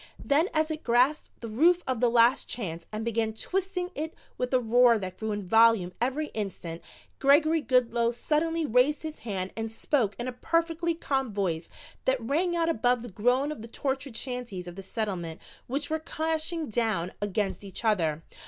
Then as it grasped the roof of the Last Chance and began twisting it with a roar that grew in volume every instant, Gregory Goodloe suddenly raised his hand and spoke in a perfectly calm voice that rang out above the groan of the tortured shanties of the Settlement which were crashing down against each other.